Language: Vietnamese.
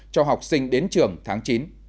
cho học sinh đến trường tháng chín